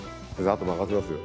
あと任せますよ。